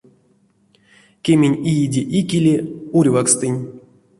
Кемень иеде икеле урьвакстынь.